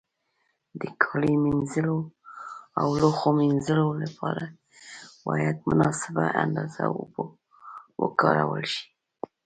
د کالي مینځلو او لوښو مینځلو له پاره باید مناسبه اندازه اوبو وکارول شي.